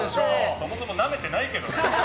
そもそもなめてないけどね。